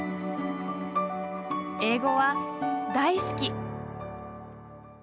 「英語は、大好。」